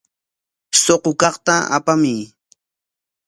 Suqu kaqta apamuy.